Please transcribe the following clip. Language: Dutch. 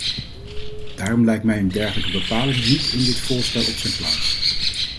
Daarom lijkt mij een dergelijke bepaling niet in dit voorstel op zijn plaats.